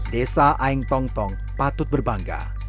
desa aeng tong tong patut berbangga